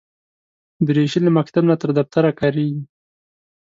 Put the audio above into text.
دریشي له مکتب نه تر دفتره کارېږي.